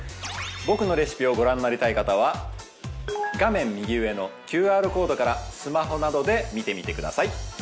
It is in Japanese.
僕のレシピをご覧になりたい方は画面右上のＱＲコードからスマホなどで見てみてください。